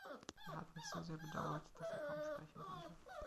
Er hat mich so sehr bedauert, dass er kaum sprechen konnte.